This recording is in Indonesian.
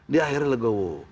di akhirnya legowo